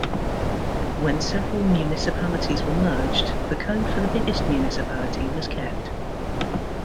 When several municipalities were merged, the code for the biggest municipality was kept.